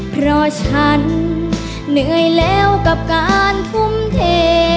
เพราะฉันเหนื่อยแล้วกับการทุ่มเท